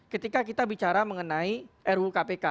ketika kita bicara mengenai ru kpk